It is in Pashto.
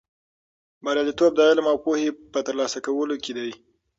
بریالیتوب د علم او پوهې په ترلاسه کولو کې دی.